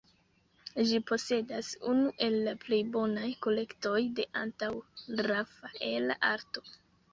Ĝi posedas unu el la plej bonaj kolektoj de antaŭ-Rafaela arto.